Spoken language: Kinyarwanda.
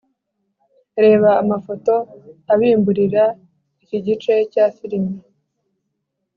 Reba amafoto abimburira iki gice cyafilime